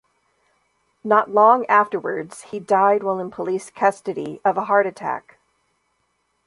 Not long afterwards, he died while in police custody, of a heart attack.